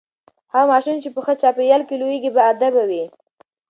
هغه ماشوم چې په ښه چاپیریال کې لوییږي باادبه وي.